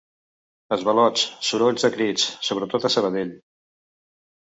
Esvalots, sorolls de crits, sobretot a Sabadell.